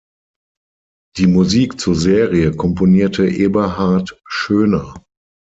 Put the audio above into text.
Die Musik zur Serie komponierte Eberhard Schoener.